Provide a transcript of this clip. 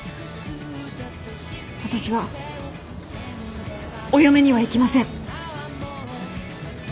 私はお嫁には行きません。